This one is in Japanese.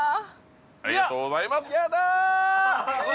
ありがとうございますやった！